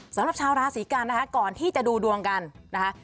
สำหรับชาวราศีกันนะคะก่อนที่จะดูดวงกันนะคะ